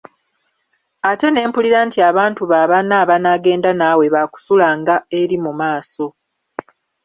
Ate ne mpulira nti abantu bo abana abanaagenda naawe ba kusulanga eri mu maaso.